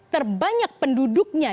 empat terbanyak penduduknya